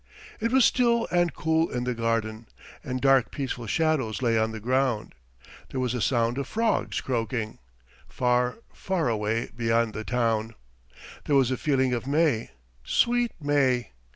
It was still and cool in the garden, and dark peaceful shadows lay on the ground. There was a sound of frogs croaking, far, far away beyond the town. There was a feeling of May, sweet May!